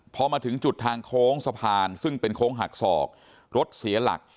พอมาถึงจุดทางโค้งสะพานซึ่งเป็นโค้งหักศอกรถเสียหลัก